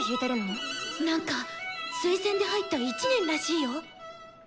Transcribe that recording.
なんか推薦で入った１年らしいよ。